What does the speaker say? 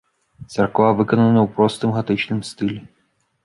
Царква выканана ў простым гатычным стылі.